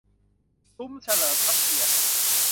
ซุ้มเฉลิมพระเกียรติ